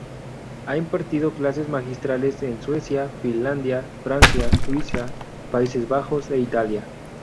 Ha impartido clases magistrales en Suecia, Finlandia, Francia, Suiza, Países Bajos e Italia.